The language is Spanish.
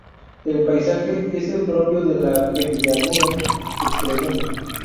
El paisaje es el propio de la penillanura extremeña.